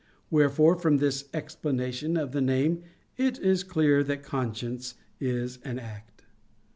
Wherefore from this explanation of the name it is clear that conscience is an act.